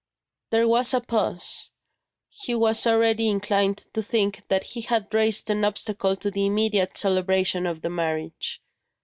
There was a pause. Hugh was already inclined to think that he had raised an obstacle to the immediate celebration of the marriage.